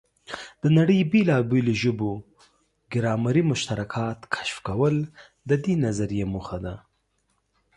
د نړۍ بېلابېلو ژبو ګرامري مشترکات کشف کول د دې نظریې موخه ده.